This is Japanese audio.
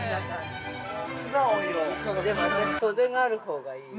◆でも私、袖があるほうがいい。